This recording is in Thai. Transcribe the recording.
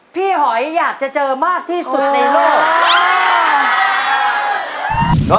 หอยอยากจะเจอมากที่สุดในโลก